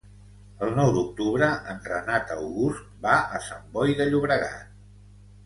El nou d'octubre en Renat August va a Sant Boi de Llobregat.